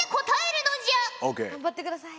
頑張ってください。